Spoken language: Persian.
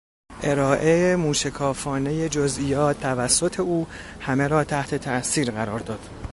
ارائه موشکافانهی جزئیات توسط او همه را تحت تاثیر قرار داد.